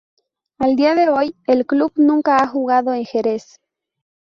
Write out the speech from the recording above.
A día de hoy el club nunca ha jugado en Jerez.